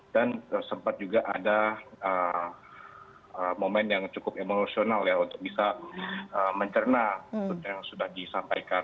dan sempat juga ada momen yang cukup emosional ya untuk bisa mencerna yang sudah disampaikan